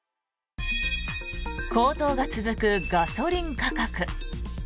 高騰が続くガソリン価格。